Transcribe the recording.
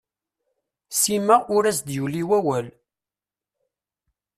Sima ur as-d-yuli awawl.